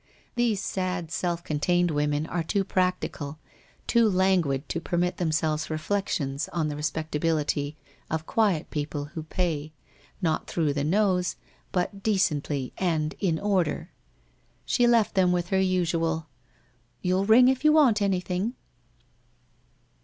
These sad self contained women are too practical, too languid to permit themselves reflections on the respectability of quiet people who pay, not through the nose, but decently and in order. She left them, with her usual ' You'll ring if you want anything